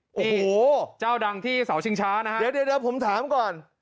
โอ้โหจะดังที่เสาชิงช้านะฮะเดี๋ยวเดี๋ยวเดี๋ยวผมถามก่อน